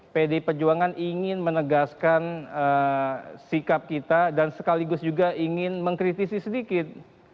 pdi perjuangan ingin menegaskan sikap kita dan sekaligus juga ingin mengkritisi sedikit